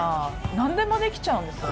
何でもできちゃうんですね。